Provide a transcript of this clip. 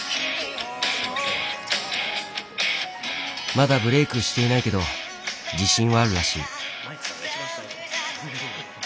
まだブレークしていないけど自信はあるらしい。